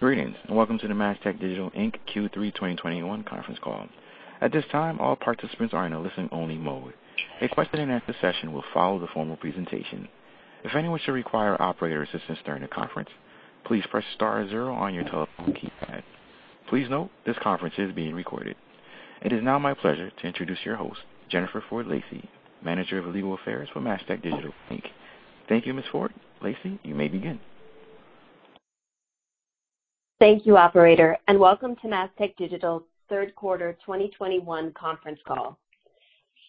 Greetings, and welcome to the Mastech Digital Inc. Q3 2021 conference call. At this time, all participants are in a listen-only mode. A question-and-answer session will follow the formal presentation. If anyone should require operator assistance during the conference, please press star zero on your telephone keypad. Please note, this conference is being recorded. It is now my pleasure to introduce your host, Jennifer Ford Lacey, Manager of Legal Affairs for Mastech Digital Inc. Thank you, Ms. Ford Lacey, you may begin. Thank you, operator, and welcome to Mastech Digital's third quarter 2021 conference call.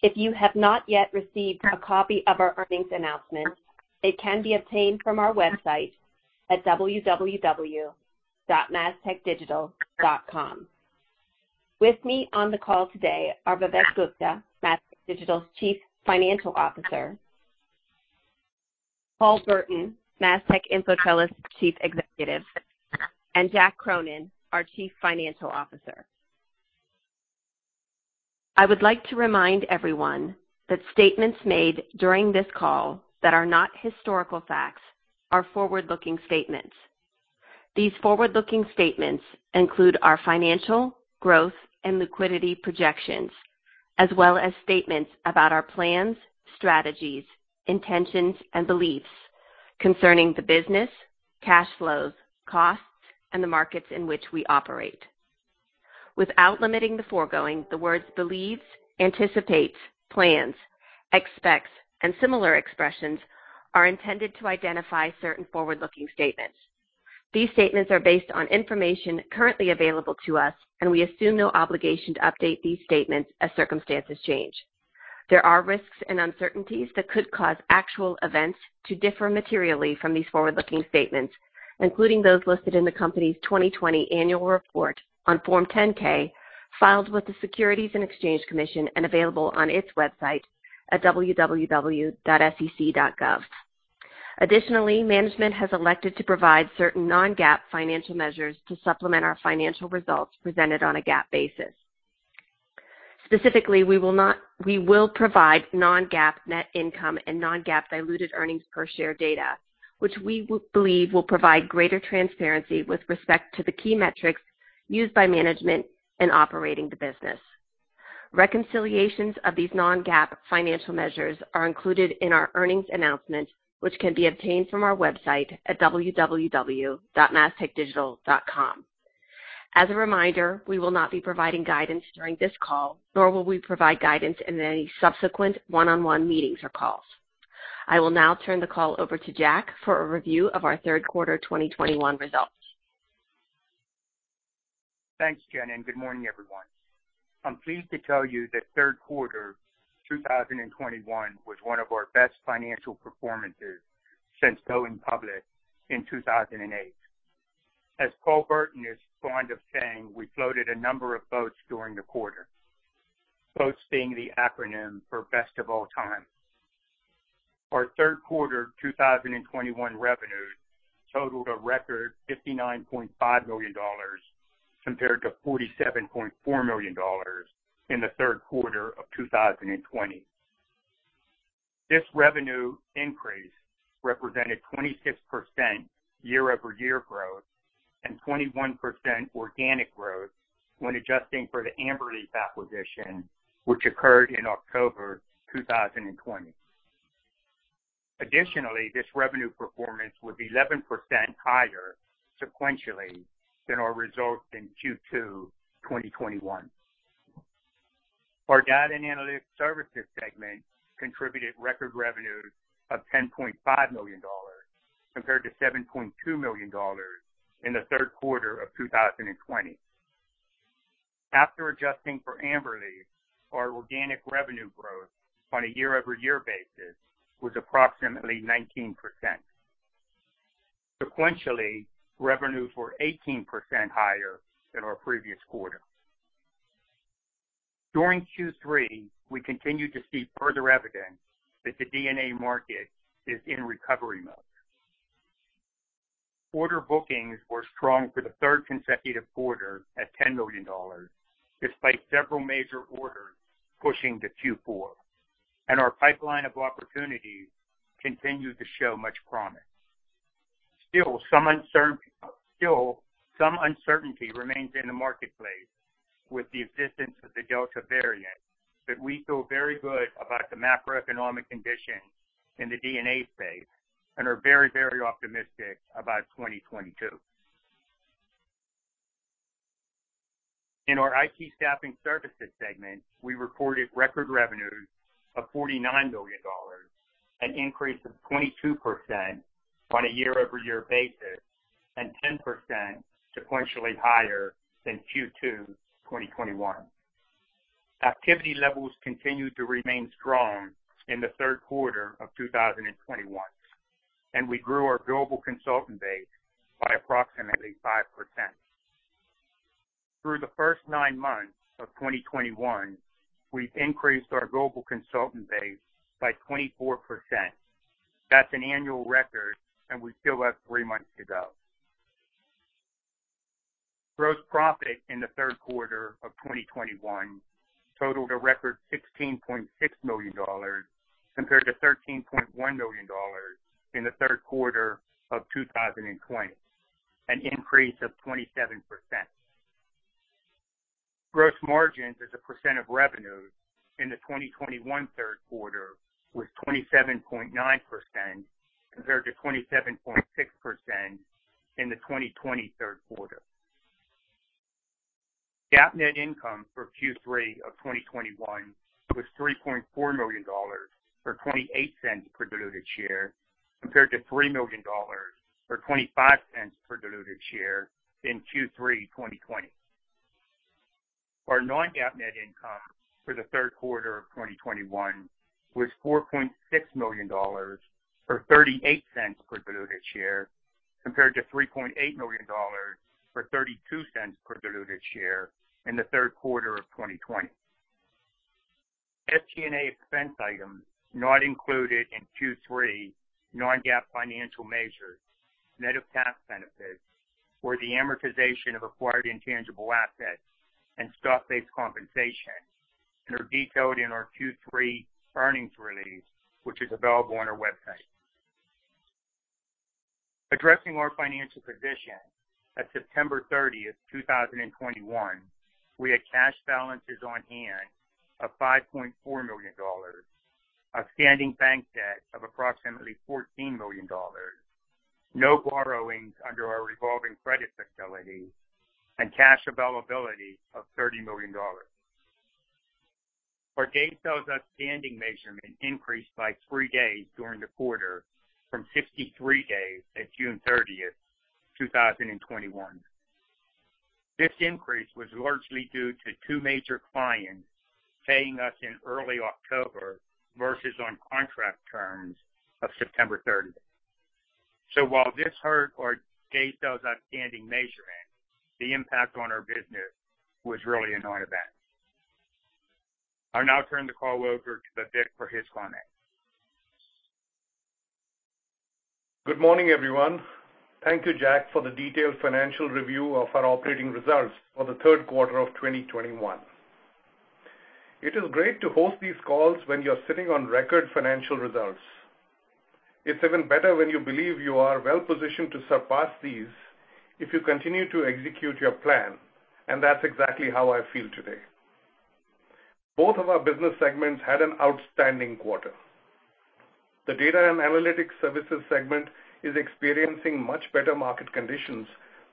If you have not yet received a copy of our earnings announcement, it can be obtained from our website at www.mastechdigital.com. With me on the call today are Vivek Gupta, Mastech Digital's Chief Executive Officer, Paul Burton, Mastech InfoTrellis Chief Executive, and Jack Cronin, our Chief Financial Officer. I would like to remind everyone that statements made during this call that are not historical facts are forward-looking statements. These forward-looking statements include our financial, growth, and liquidity projections, as well as statements about our plans, strategies, intentions, and beliefs concerning the business, cash flows, costs, and the markets in which we operate. Without limiting the foregoing, the words believes, anticipates, plans, expects, and similar expressions are intended to identify certain forward-looking statements. These statements are based on information currently available to us, and we assume no obligation to update these statements as circumstances change. There are risks and uncertainties that could cause actual events to differ materially from these forward-looking statements, including those listed in the company's 2020 annual report on Form 10-K, filed with the Securities and Exchange Commission and available on its website at www.sec.gov. Additionally, management has elected to provide certain non-GAAP financial measures to supplement our financial results presented on a GAAP basis. Specifically, we will provide non-GAAP net income and non-GAAP diluted earnings per share data, which we believe will provide greater transparency with respect to the key metrics used by management in operating the business. Reconciliations of these non-GAAP financial measures are included in our earnings announcement, which can be obtained from our website at www.mastechdigital.com. As a reminder, we will not be providing guidance during this call, nor will we provide guidance in any subsequent one-on-one meetings or calls. I will now turn the call over to Jack for a review of our third quarter 2021 results. Thanks, Jen, and good morning, everyone. I'm pleased to tell you that third quarter 2021 was one of our best financial performances since going public in 2008. As Paul Burton is fond of saying, we floated a number of BOATs during the quarter, BOATs being the acronym for Best of All-Time. Our third quarter 2021 revenues totaled a record $59.5 million, compared to $47.4 million in the third quarter of 2020. This revenue increase represented 26% year-over-year growth and 21% organic growth when adjusting for the AmberLeaf acquisition, which occurred in October 2020. Additionally, this revenue performance was 11% higher sequentially than our results in Q2 2021. Our Data and Analytics Services segment contributed record revenues of $10.5 million, compared to $7.2 million in the third quarter of 2020. After adjusting for AmberLeaf, our organic revenue growth on a year-over-year basis was approximately 19%. Sequentially, revenues were 18% higher than our previous quarter. During Q3, we continued to see further evidence that the D&A market is in recovery mode. Order bookings were strong for the third consecutive quarter at $10 million, despite several major orders pushing to Q4, and our pipeline of opportunities continued to show much promise. Still, some uncertainty remains in the marketplace with the existence of the Delta variant, but we feel very good about the macroeconomic conditions in the D&A space and are very, very optimistic about 2022. In our IT Staffing Services segment, we recorded record revenues of $49 million, an increase of 22% on a year-over-year basis, and 10% sequentially higher than Q2 2021. Activity levels continued to remain strong in the third quarter of 2021, and we grew our global consultant base by approximately 5%. Through the first nine months of 2021, we've increased our global consultant base by 24%. That's an annual record, and we still have three months to go. Gross profit in the third quarter of 2021 totaled a record $16.6 million compared to $13.1 million in the third quarter of 2020, an increase of 27%. Gross margins as a percent of revenues in the 2021 third quarter was 27.9% compared to 27.6% in the 2020 third quarter. GAAP net income for Q3 2021 was $3.4 million, or $0.28 per diluted share, compared to $3 million or $0.28 per diluted share in Q3 2020. Our non-GAAP net income for the third quarter of 2021 was $4.6 million, or $0.38 per diluted share, compared to $3.8 million or $0.32 per diluted share in the third quarter of 2020. SG&A expense items not included in Q3 non-GAAP financial measures, net of tax benefits, were the amortization of acquired intangible assets and stock-based compensation, and are detailed in our Q3 earnings release, which is available on our website. Addressing our financial position at September 30th, 2021, we had cash balances on hand of $5.4 million, a standing bank debt of approximately $14 million, no borrowings under our revolving credit facility, and cash availability of $30 million. Our day sales outstanding measurement increased by three days during the quarter from 53 days at June 30th, 2021. This increase was largely due to two major clients paying us in early October versus on contract terms of September 30th. While this hurt our day sales outstanding measurement, the impact on our business was really a non-event. I'll now turn the call over to Vivek for his comments. Good morning, everyone. Thank you, Jack, for the detailed financial review of our operating results for the third quarter of 2021. It is great to host these calls when you're sitting on record financial results. It's even better when you believe you are well-positioned to surpass these if you continue to execute your plan, and that's exactly how I feel today. Both of our business segments had an outstanding quarter. The Data and Analytics Services segment is experiencing much better market conditions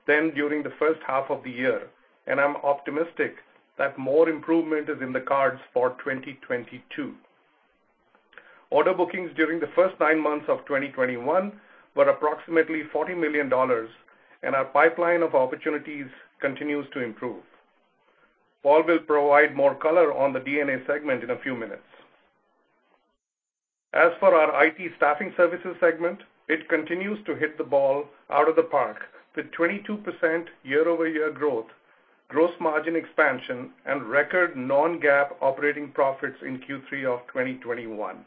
than during the first half of the year, and I'm optimistic that more improvement is in the cards for 2022. Order bookings during the first nine months of 2021 were approximately $40 million, and our pipeline of opportunities continues to improve. Paul will provide more color on the D&A segment in a few minutes. As for our IT Staffing Services segment, it continues to hit the ball out of the park with 22% year-over-year growth, gross margin expansion, and record non-GAAP operating profits in Q3 of 2021.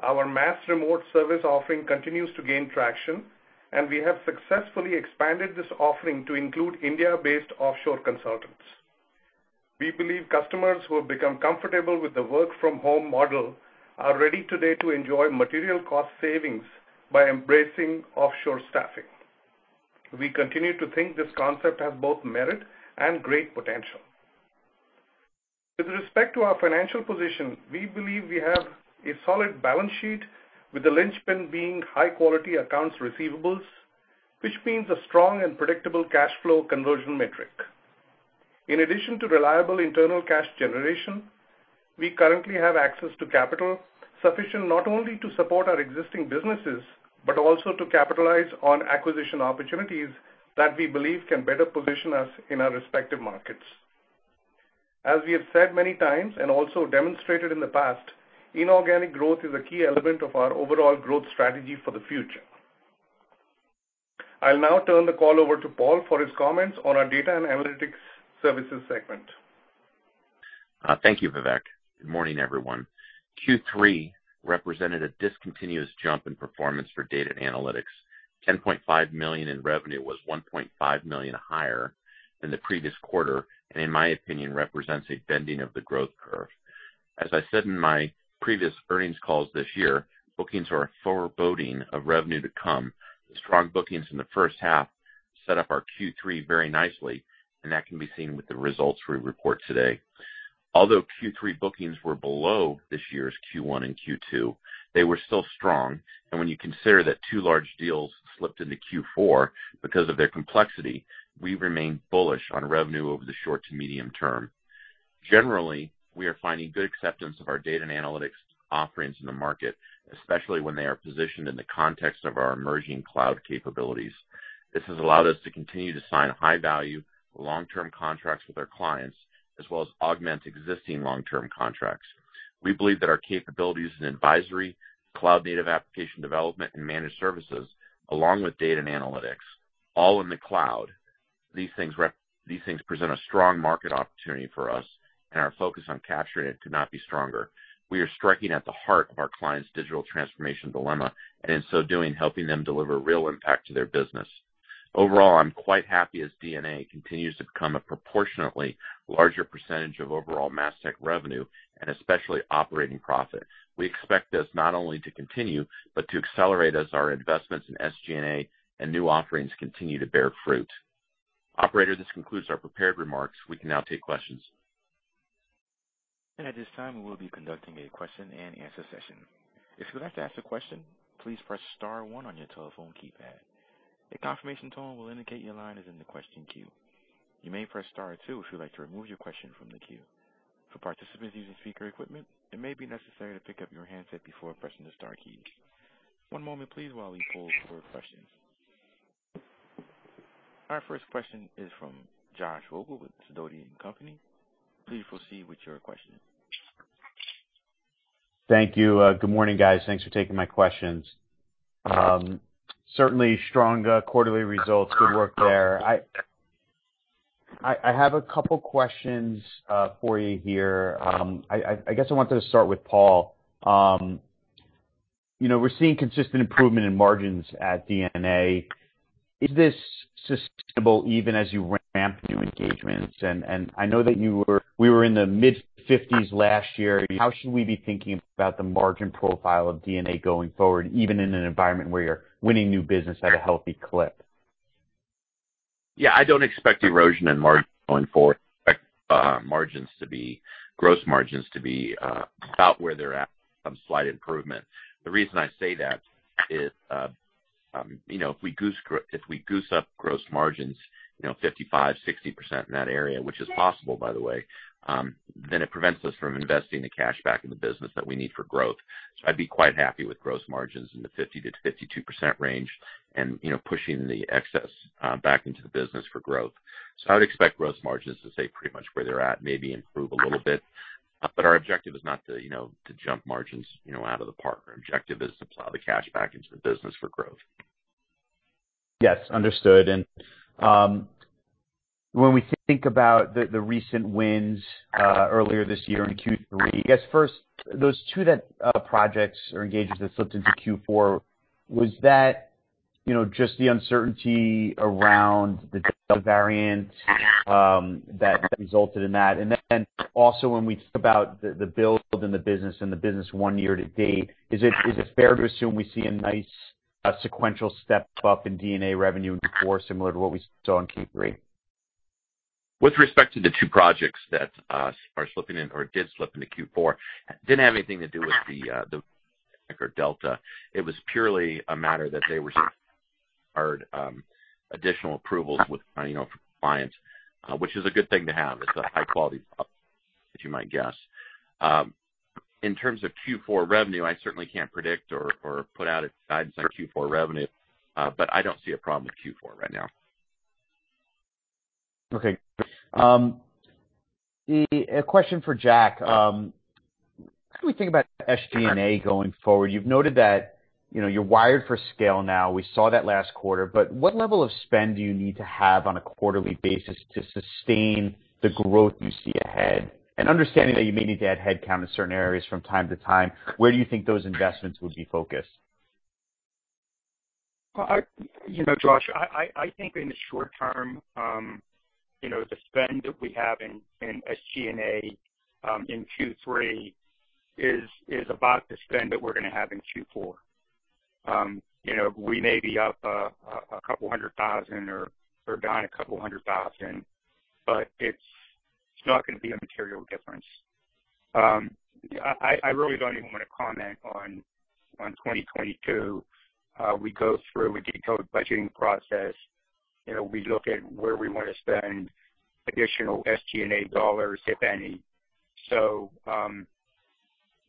Our MAS-REMOTE service offering continues to gain traction, and we have successfully expanded this offering to include India-based offshore consultants. We believe customers who have become comfortable with the work-from-home model are ready today to enjoy material cost savings by embracing offshore staffing. We continue to think this concept has both merit and great potential. With respect to our financial position, we believe we have a solid balance sheet with the linchpin being high-quality accounts receivables, which means a strong and predictable cash flow conversion metric. In addition to reliable internal cash generation, we currently have access to capital sufficient not only to support our existing businesses, but also to capitalize on acquisition opportunities that we believe can better position us in our respective markets. As we have said many times and also demonstrated in the past, inorganic growth is a key element of our overall growth strategy for the future. I'll now turn the call over to Paul for his comments on our Data and Analytics Services segment. Thank you, Vivek. Good morning, everyone. Q3 represented a discontinuous jump in performance for Data and Analytics. $10.5 million in revenue was $1.5 million higher than the previous quarter, and in my opinion, represents a bending of the growth curve. As I said in my previous earnings calls this year, bookings are a foreboding of revenue to come. The strong bookings in the first half set up our Q3 very nicely, and that can be seen with the results we report today. Although Q3 bookings were below this year's Q1 and Q2, they were still strong. When you consider that two large deals slipped into Q4 because of their complexity, we remain bullish on revenue over the short to medium term. Generally, we are finding good acceptance of our Data and Analytics offerings in the market, especially when they are positioned in the context of our emerging cloud capabilities. This has allowed us to continue to sign high-value long-term contracts with our clients, as well as augment existing long-term contracts. We believe that our capabilities in advisory, cloud-native application development, and managed services, along with Data and Analytics, all in the cloud. These things present a strong market opportunity for us. Our focus on capturing it could not be stronger. We are striking at the heart of our clients' digital transformation dilemma, and in so doing, helping them deliver real impact to their business. Overall, I'm quite happy as D&A continues to become a proportionately larger percentage of overall Mastech revenue and especially operating profit. We expect this not only to continue but to accelerate as our investments in SG&A and new offerings continue to bear fruit. Operator, this concludes our prepared remarks. We can now take questions. At this time, we will be conducting a question-and-answer session. If you would like to ask a question, please press star one on your telephone keypad. A confirmation tone will indicate your line is in the question queue. You may press star two if you'd like to remove your question from the queue. For participants using speaker equipment, it may be necessary to pick up your handset before pressing the star key. One moment please while we pull for questions. Our first question is from Josh Vogel with Sidoti & Company. Please proceed with your question. Good morning, guys. Thanks for taking my questions. Certainly strong quarterly results. Good work there. I have a couple questions for you here. I guess I wanted to start with Paul. You know, we're seeing consistent improvement in margins at D&A. Is this sustainable even as you ramp new engagements? I know that we were in the mid-50s last year. How should we be thinking about the margin profile of D&A going forward, even in an environment where you're winning new business at a healthy clip? Yeah. I don't expect erosion in margin going forward. I expect gross margins to be about where they're at, slight improvement. The reason I say that is, you know, if we goose up gross margins, you know, 55%-60% in that area, which is possible, by the way, then it prevents us from investing the cash back in the business that we need for growth. I'd be quite happy with gross margins in the 50%-52% range and, you know, pushing the excess back into the business for growth. I would expect gross margins to stay pretty much where they're at, maybe improve a little bit. Our objective is not to, you know, to jump margins, you know, out of the park. Our objective is to plow the cash back into the business for growth. Yes, understood. When we think about the recent wins earlier this year in Q3, I guess first, those two projects or engagements that slipped into Q4, was that, you know, just the uncertainty around the Delta variant that resulted in that? Also when we think about the build in the business and the business year-to-date, is it fair to assume we see a nice sequential step up in D&A revenue in Q4, similar to what we saw in Q3? With respect to the two projects that are slipping in or did slip into Q4, didn't have anything to do with the Delta. It was purely a matter that they required additional approvals, you know, from clients, which is a good thing to have. It's a high-quality, as you might guess. In terms of Q4 revenue, I certainly can't predict or put out a guidance on Q4 revenue, but I don't see a problem with Q4 right now. Okay. A question for Jack. How do we think about SG&A going forward? You've noted that, you know, you're wired for scale now. We saw that last quarter, but what level of spend do you need to have on a quarterly basis to sustain the growth you see ahead? Understanding that you may need to add headcount in certain areas from time to time, where do you think those investments would be focused? Well, you know, Josh, I think in the short term, you know, the spend that we have in SG&A in Q3 is about the spend that we're gonna have in Q4. You know, we may be up a couple hundred thousand or down a couple hundred thousand, but it's not gonna be a material difference. I really don't even wanna comment on 2022. We go through a detailed budgeting process. You know, we look at where we wanna spend additional SG&A dollars, if any.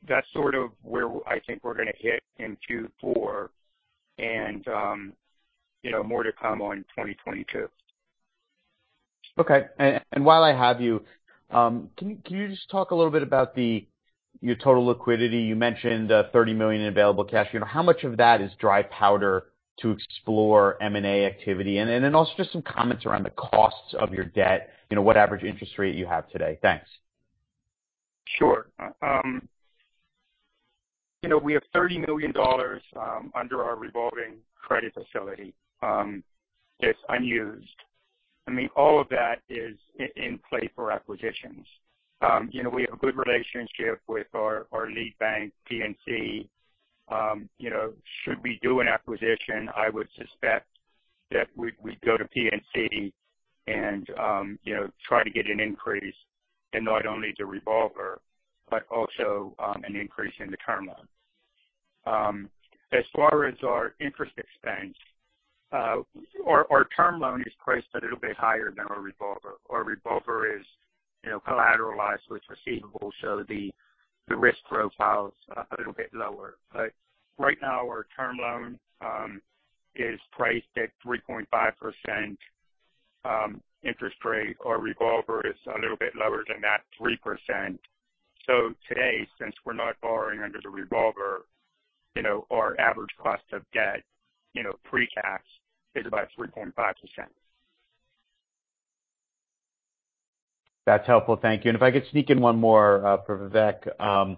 That's sort of where I think we're gonna hit in Q4 and, you know, more to come on in 2022. Okay. While I have you, can you just talk a little bit about your total liquidity? You mentioned $30 million in available cash. You know, how much of that is dry powder to explore M&A activity? Then also just some comments around the costs of your debt, you know, what average interest rate you have today. Thanks. Sure. You know, we have $30 million under our revolving credit facility that's unused. I mean, all of that is in play for acquisitions. You know, we have a good relationship with our lead bank, PNC. You know, should we do an acquisition, I would suspect that we'd go to PNC and try to get an increase in not only the revolver, but also an increase in the term loan. As far as our interest expense, our term loan is priced a little bit higher than our revolver. Our revolver is, you know, collateralized with receivables, so the risk profile is a little bit lower. But right now, our term loan is priced at 3.5% interest rate. Our revolver is a little bit lower than that, 3%. Today, since we're not borrowing under the revolver, you know, our average cost of debt, you know, pre-tax is about 3.5%. That's helpful, thank you. If I could sneak in one more for Vivek.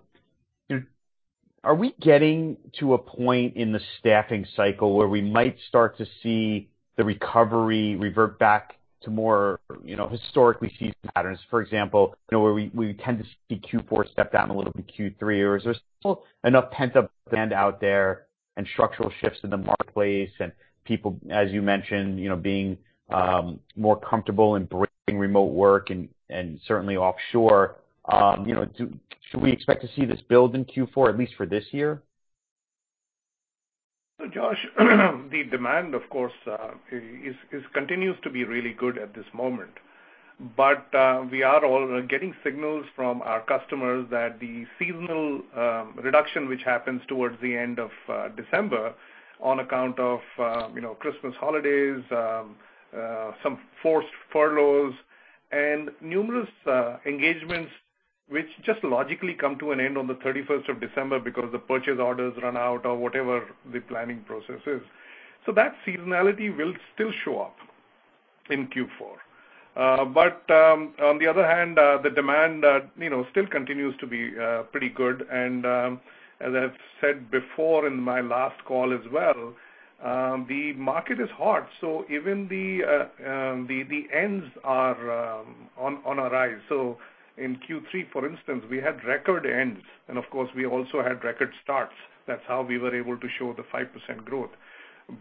Are we getting to a point in the staffing cycle where we might start to see the recovery revert back to more, you know, historically seasoned patterns? For example, you know, where we tend to see Q4 step down a little bit in Q3. Or is there still enough pent-up demand out there and structural shifts in the marketplace and people, as you mentioned, you know, being more comfortable embracing remote work and certainly offshore. You know, should we expect to see this build in Q4, at least for this year? Josh, the demand of course continues to be really good at this moment. We are all getting signals from our customers that the seasonal reduction, which happens towards the end of December on account of you know, Christmas holidays, some forced furloughs and numerous engagements, which just logically come to an end on December 31st because the purchase orders run out or whatever the planning process is. That seasonality will still show up in Q4. On the other hand, the demand you know still continues to be pretty good and, as I've said before in my last call as well, the market is hot, so even the trends are on the rise. In Q3, for instance, we had record ends, and of course, we also had record starts. That's how we were able to show the 5% growth.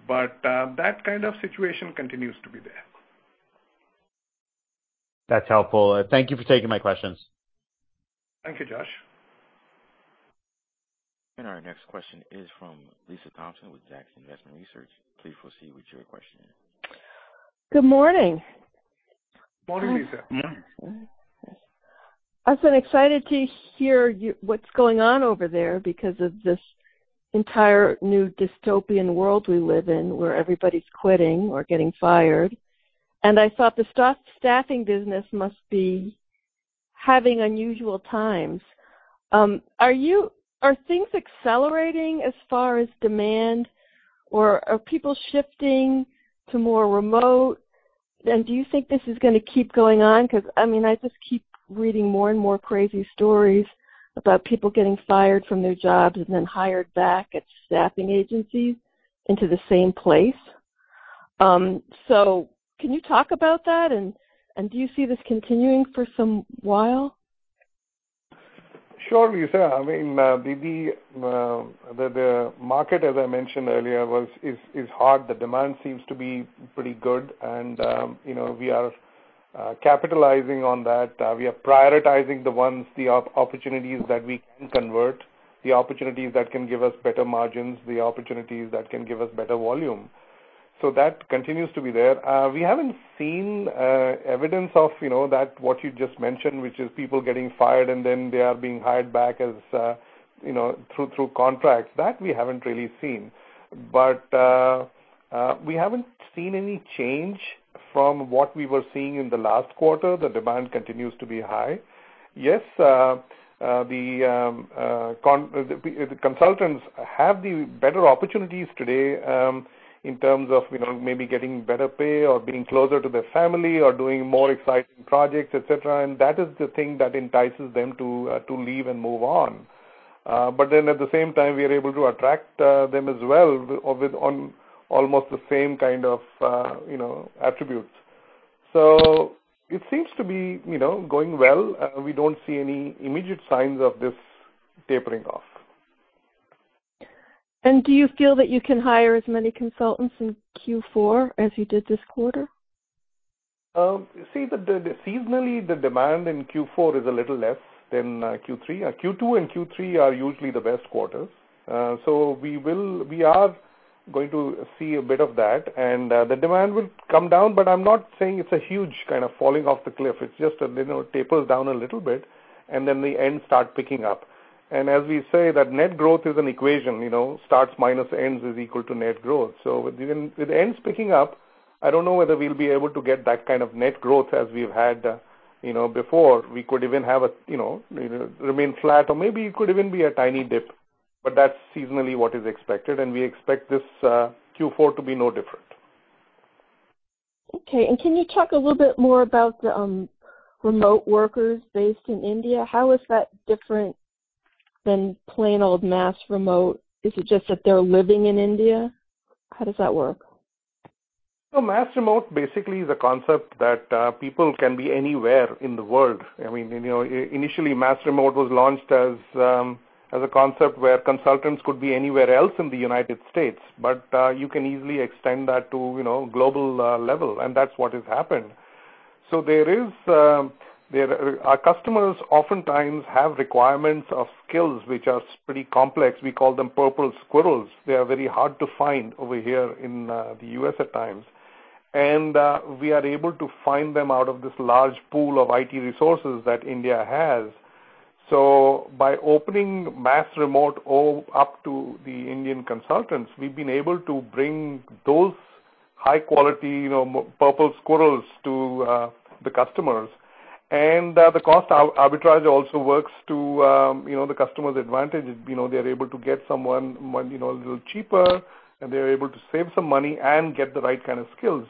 That kind of situation continues to be there. That's helpful, thank you for taking my questions. Thank you, Josh. Our next question is from Lisa Thompson with Zacks Investment Research. Please proceed with your question. Good morning. Morning, Lisa. I've been excited to hear what's going on over there because of this entire new dystopian world we live in, where everybody's quitting or getting fired. I thought the staffing business must be having unusual times. Are things accelerating as far as demand, or are people shifting to more remote? Do you think this is gonna keep going on? 'Cause, I mean, I just keep reading more and more crazy stories about people getting fired from their jobs and then hired back at staffing agencies into the same place. Can you talk about that and do you see this continuing for some while? Sure, Lisa. I mean, the market, as I mentioned earlier, is hard. The demand seems to be pretty good. You know, we are capitalizing on that. We are prioritizing the opportunities that we can convert, the opportunities that can give us better margins, the opportunities that can give us better volume. That continues to be there. We haven't seen evidence of, you know, that, what you just mentioned, which is people getting fired and then they are being hired back as, you know, through contracts. That we haven't really seen. We haven't seen any change from what we were seeing in the last quarter. The demand continues to be high. Yes, the consultants have the better opportunities today, in terms of, you know, maybe getting better pay or being closer to their family or doing more exciting projects, etc. That is the thing that entices them to leave and move on. At the same time, we are able to attract them as well with on almost the same kind of, you know, attributes. It seems to be, you know, going well. We don't see any immediate signs of this tapering off. Do you feel that you can hire as many consultants in Q4 as you did this quarter? Seasonally the demand in Q4 is a little less than Q3. Q2 and Q3 are usually the best quarters. We are going to see a bit of that. The demand will come down, but I'm not saying it's a huge kind of falling off the cliff. It's just that, you know, it tapers down a little bit, and then the ends start picking up. As we say that net growth is an equation, you know. Starts minus ends is equal to net growth. With ends picking up, I don't know whether we'll be able to get that kind of net growth as we've had, you know, before. We could even have a, you know, maybe remain flat or maybe it could even be a tiny dip. That's seasonally what is expected, and we expect this Q4 to be no different. Okay. Can you talk a little bit more about the remote workers based in India? How is that different than plain old MAS-REMOTE? Is it just that they're living in India? How does that work? MAS-REMOTE basically is a concept that people can be anywhere in the world. I mean, you know, initially, MAS-REMOTE was launched as a concept where consultants could be anywhere else in the United States, but you can easily extend that to, you know, global level, and that's what has happened. Our customers oftentimes have requirements of skills which are pretty complex. We call them purple squirrels. They are very hard to find over here in the U.S. at times. We are able to find them out of this large pool of IT resources that India has. By opening MAS-REMOTE all up to the Indian consultants, we've been able to bring those high quality, you know, purple squirrels to the customers. The cost arbitrage also works too, you know, the customer's advantage. You know, they're able to get someone, you know, a little cheaper, and they're able to save some money and get the right kind of skills.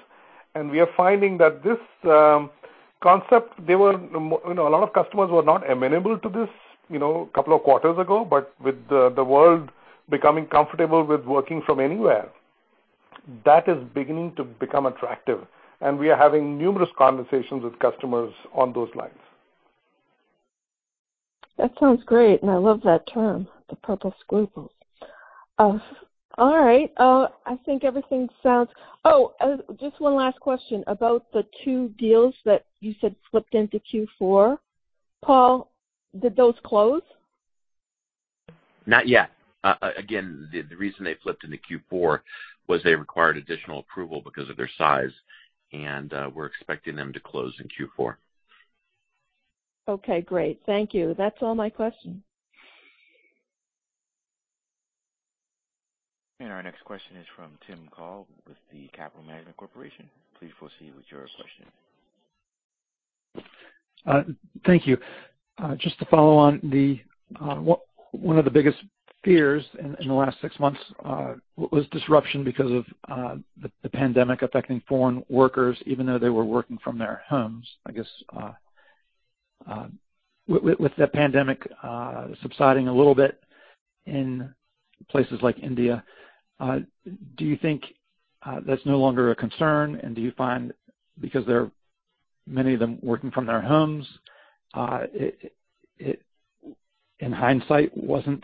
We are finding that this concept, you know, a lot of customers were not amenable to this, you know, couple of quarters ago. With the world becoming comfortable with working from anywhere, that is beginning to become attractive, and we are having numerous conversations with customers on those lines. That sounds great, and I love that term, the purple squirrels. All right. Just one last question about the two deals that you said flipped into Q4. Paul, did those close? Not yet. Again, the reason they flipped into Q4 was they required additional approval because of their size, and we're expecting them to close in Q4. Okay, great. Thank you. That's all my questions. Our next question is from Tim Call with the Capital Management Corporation. Please proceed with your question. Thank you. Just to follow on the one of the biggest fears in the last six months was disruption because of the pandemic affecting foreign workers even though they were working from their homes. I guess with the pandemic subsiding a little bit in places like India, do you think that's no longer a concern? Do you find because many of them working from their homes, it in hindsight wasn't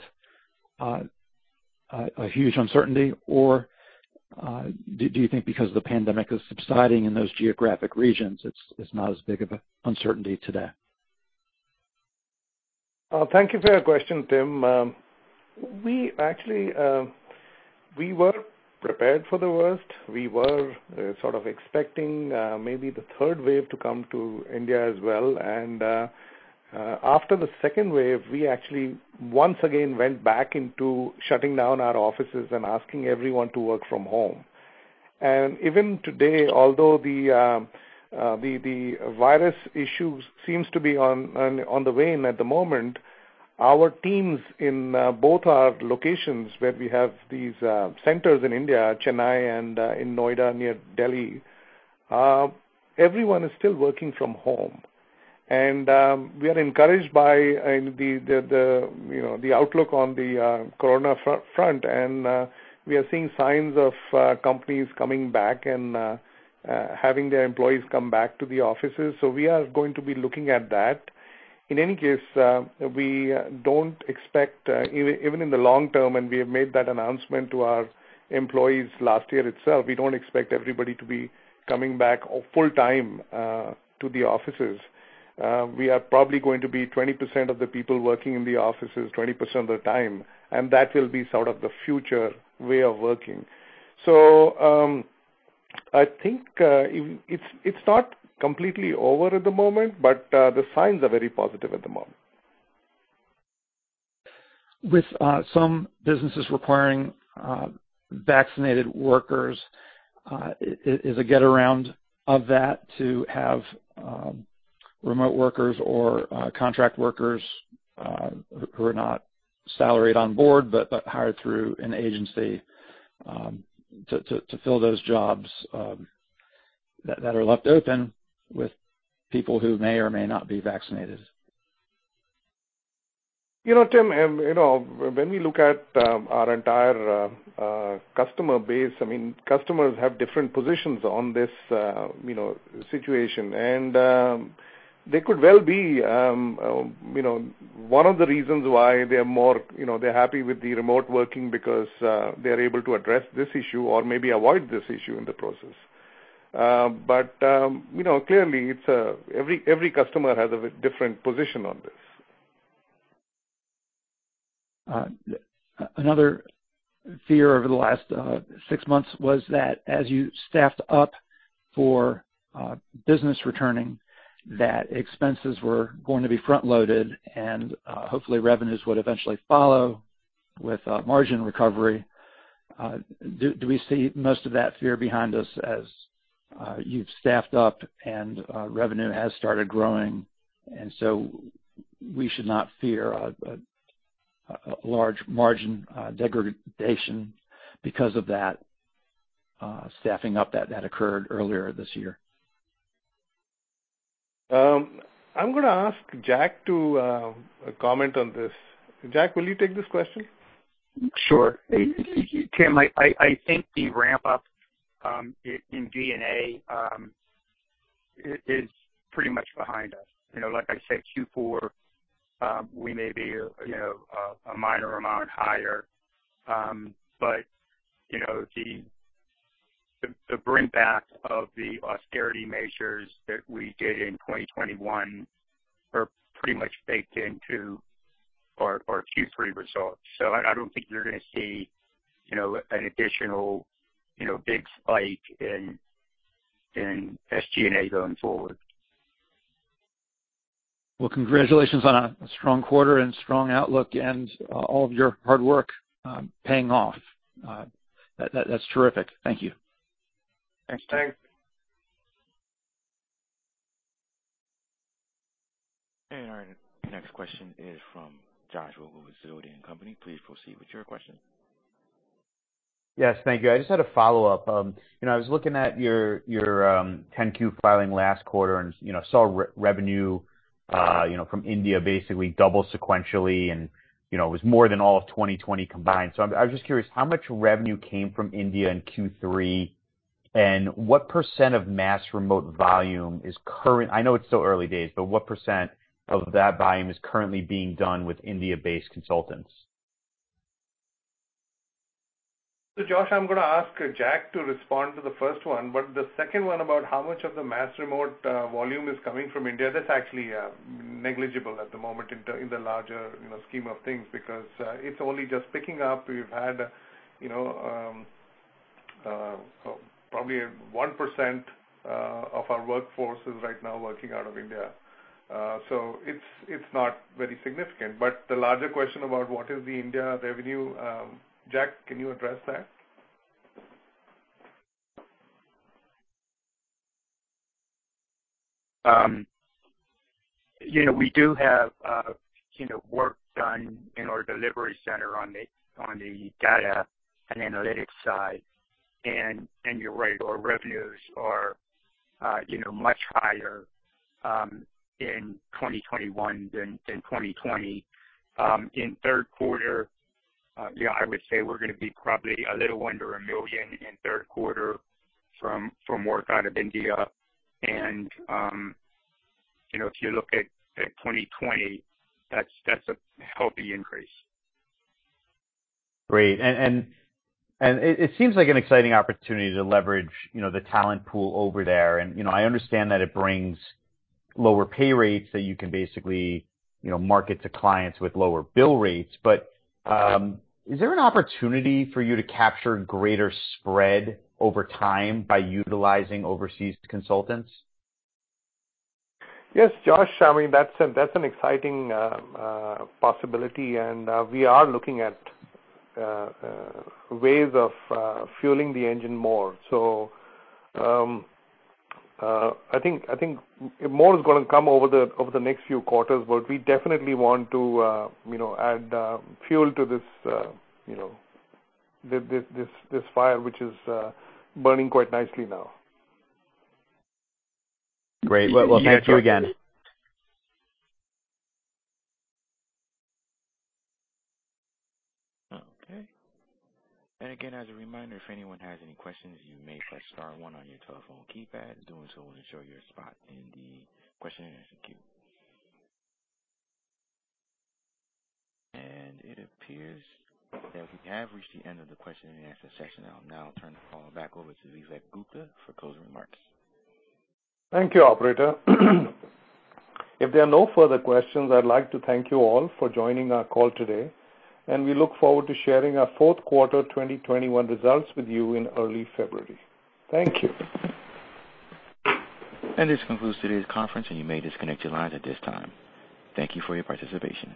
a huge uncertainty? Or do you think because the pandemic is subsiding in those geographic regions, it's not as big of a uncertainty today? Thank you for your question, Tim. We actually were prepared for the worst. We were sort of expecting maybe the third wave to come to India as well. After the second wave, we actually once again went back into shutting down our offices and asking everyone to work from home. Even today, although the virus issue seems to be on the wane at the moment, our teams in both our locations where we have these centers in India, Chennai and in Noida near Delhi, everyone is still working from home. We are encouraged by, you know, the outlook on the corona front. We are seeing signs of companies coming back and having their employees come back to the offices. We are going to be looking at that. In any case, we don't expect even in the long term, and we have made that announcement to our employees last year itself, we don't expect everybody to be coming back full-time to the offices. We are probably going to be 20% of the people working in the offices 20% of the time, and that will be sort of the future way of working. I think it's not completely over at the moment, but the signs are very positive at the moment. With some businesses requiring vaccinated workers, is there a way to get around that to have remote workers or contract workers who are not salaried on board, but hired through an agency to fill those jobs that are left open with people who may or may not be vaccinated? You know, Tim, you know, when we look at our entire customer base, I mean, customers have different positions on this, you know, situation. They could well be you know, one of the reasons why they are more, you know, they're happy with the remote working because they are able to address this issue or maybe avoid this issue in the process. You know, clearly it's every customer has a different position on this. Another fear over the last six months was that as you staffed up for business returning, that expenses were going to be front-loaded and hopefully revenues would eventually follow with margin recovery. Do we see most of that fear behind us as you've staffed up and revenue has started growing, and so we should not fear a large margin degradation because of that staffing up that occurred earlier this year? I'm gonna ask Jack to comment on this. Jack, will you take this question? Sure. Tim, I think the ramp up in G&A is pretty much behind us. You know, like I said, Q4, we may be, you know, a minor amount higher. But, you know, the bringing back of the austerity measures that we did in 2021 are pretty much baked into our Q3 results. I don't think you're gonna see, you know, an additional, you know, big spike in SG&A going forward. Well, congratulations on a strong quarter and strong outlook and all of your hard work paying off. That's terrific, thank you. Thanks, Tim. Our next question is from Josh Vogel with Sidoti & Company. Please proceed with your question. Yes, thank you. I just had a follow-up. You know, I was looking at your 10-Q filing last quarter and, you know, saw revenue from India basically double sequentially and, you know, it was more than all of 2020 combined. I was just curious how much revenue came from India in Q3 and what percent of MAS-REMOTE volume is currently being done with India-based consultants? I know it's still early days. Josh, I'm gonna ask Jack to respond to the first one, but the second one about how much of the MAS-REMOTE volume is coming from India, that's actually negligible at the moment in the larger, you know, scheme of things because it's only just picking up. We've had, you know, probably 1% of our workforce is right now working out of India. So it's not very significant. But the larger question about what is the India revenue, Jack, can you address that? You know, we do have you know work done in our delivery center on the Data and Analytics side. You're right, our revenues are you know much higher in 2021 than 2020. In third quarter, yeah, I would say we're gonna be probably a little under $1 million in third quarter from work out of India. You know, if you look at 2020, that's a healthy increase. Great. It seems like an exciting opportunity to leverage, you know, the talent pool over there. You know, I understand that it brings lower pay rates that you can basically, you know, market to clients with lower bill rates. Is there an opportunity for you to capture greater spread over time by utilizing overseas consultants? Yes, Josh. I mean, that's an exciting possibility. We are looking at ways of fueling the engine more. I think more is gonna come over the next few quarters, but we definitely want to, you know, add fuel to this fire which is burning quite nicely now. Great. Well, thank you again. Okay. As a reminder, if anyone has any questions, you may press star one on your telephone keypad. Doing so will ensure your spot in the question-and-answer queue. It appears that we have reached the end of the question-and-answer session. I'll now turn the call back over to Vivek Gupta for closing remarks. Thank you, operator. If there are no further questions, I'd like to thank you all for joining our call today, and we look forward to sharing our fourth quarter 2021 results with you in early February. Thank you. This concludes today's conference, and you may disconnect your lines at this time. Thank you for your participation.